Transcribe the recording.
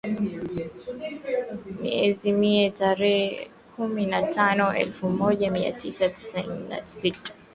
Mwezi Mei, tarehe kumi na tano ,elfu moja mia tisa tisini na sita